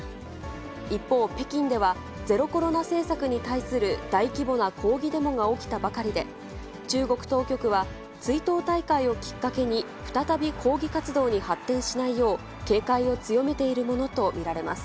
一方、北京では、ゼロコロナ政策に対する大規模な抗議デモが起きたばかりで、中国当局は、追悼大会をきっかけに、再び抗議活動に発展しないよう、警戒を強めているものとみられます。